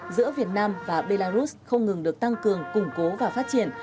giữa việt nam và belarus không ngừng được tăng cường củng cố và phát triển